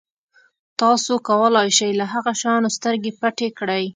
تاسو کولای شئ له هغه شیانو سترګې پټې کړئ.